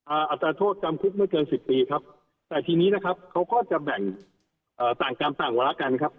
อัตราโทษจำคุกไม่เกินสิบปีครับแต่ทีนี้นะครับเขาก็จะแบ่งเอ่อต่างกรรมต่างวาระกันครับ